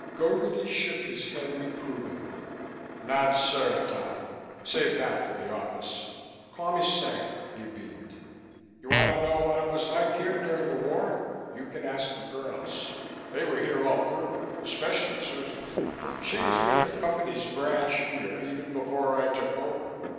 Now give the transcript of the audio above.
Gogarty shook his head reprovingly. "Not 'sir,' Tom. Save that for the office. Call me Sam." He beamed. "You want to know what it was like here during the war? You can ask the girls. They were here all through. Especially Susan she was with the Company's branch here, even before I took over.